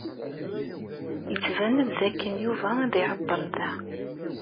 Yettban-d dakken Yuba ad iɛeṭṭel da.